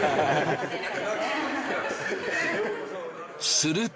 すると。